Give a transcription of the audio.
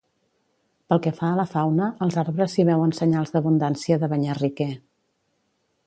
Pel que fa a la fauna, als arbres s'hi veuen senyals d'abundància de banyarriquer.